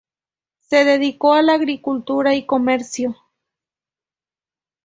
Se dedicó a la agricultura y comercio.